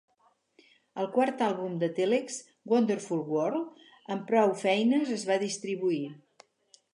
El quart àlbum de Telex, "Wonderful World", amb prou feines es va distribuir.